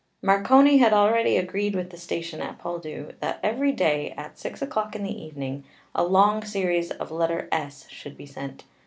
Marconi had already agreed with the station at Poldhu that every day, at six o'clock in the evening, a long series of letter S should be sent.